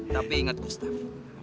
tapi ingat gustaf